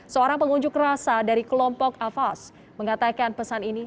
seorang pengunjuk rasa dari kelompok afas mengatakan pesan ini